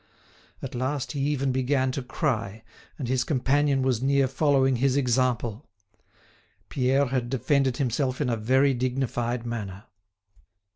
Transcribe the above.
At last he even began to cry, and his companion was near following his example. Pierre had defended himself in a very dignified manner.